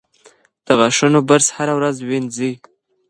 د غاښونو برس هره ورځ وینځئ.